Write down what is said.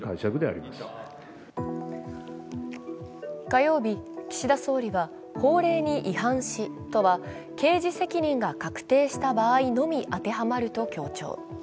火曜日、岸田総理は、「法令に違反し」とは刑事責任が確定した場合のみ当てはまると強調。